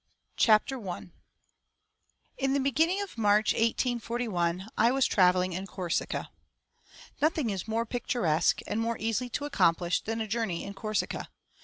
CHAPTER I. IN the beginning of March, 1841, I was travelling in Corsica. Nothing is more picturesque and more easy to accomplish than a journey in Corsica.